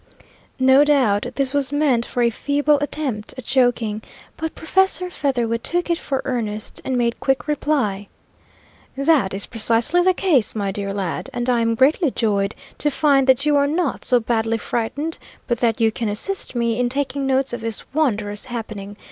No doubt this was meant for a feeble attempt at joking, but Professor Featherwit took it for earnest, and made quick reply: "That is precisely the case, my dear lad, and I am greatly joyed to find that you are not so badly frightened but that you can assist me in taking notes of this wondrous happening.